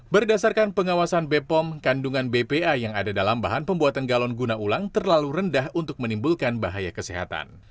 berdasarkan pengawasan bepom kandungan bpa yang ada dalam bahan pembuatan galon guna ulang terlalu rendah untuk menimbulkan bahaya kesehatan